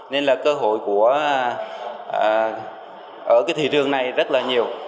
nên là cơ hội của cái thị trường này rất là nhiều